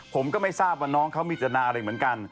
ผมก็ไม่ทราบว่าน้องเขามีจนาอะไรเหมือนกัน